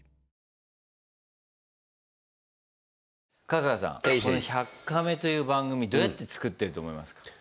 この「１００カメ」という番組どうやって作ってると思いますか？